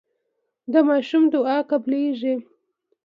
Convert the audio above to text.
د ماشوم دعا قبليږي.